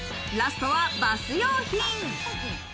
ラストはバス用品。